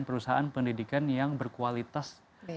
perusahaan pendidikan yang berkualitas